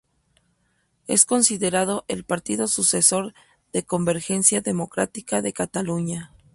Es considerado el partido sucesor de Convergencia Democrática de Cataluña.